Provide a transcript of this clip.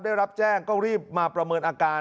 ได้รับแจ้งก็รีบมาประเมินอาการ